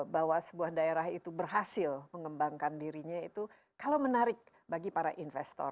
bahwa sebuah daerah itu berhasil mengembangkan dirinya itu kalau menarik bagi para investor